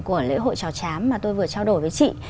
của lễ hội trò chám mà tôi vừa trao đổi với chị